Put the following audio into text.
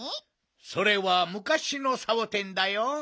それはむかしのサボテンだよ。